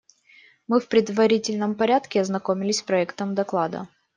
Мы в предварительном порядке ознакомились с проектом доклада.